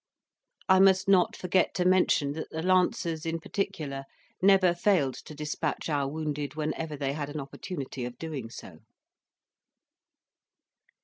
I must not forget to mention that the lancers in particular never failed to despatch our wounded whenever they had an opportunity of doing so.